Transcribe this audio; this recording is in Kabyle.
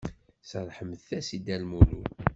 Serrḥemt-as-d i Dda Lmulud.